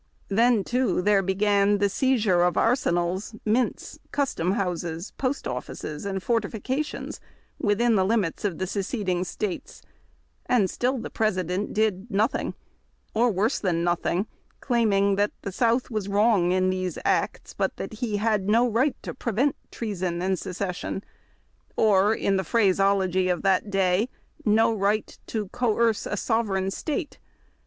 Then, too, there began the seizure of arsenals, mints, custom houses, post offices, and fortifications within the limits of the seceding States, and still the President did nothing, or worse than nothing, claiming that the South was wrong in its acts, but that he had no right to prevent treason and secession, or, in the phraseology of that day, "no right to coerce a sovereign State."'